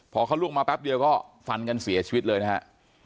พอเขาล่วงมาแป๊บเดียวก็ฟันกันเสียชีวิตเลยนะฮะ